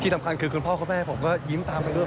สำคัญคือคุณพ่อคุณแม่ผมก็ยิ้มตามไปด้วย